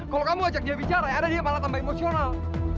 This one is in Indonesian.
kalau kamu ajak dia bicara ada dia malah tambah emosional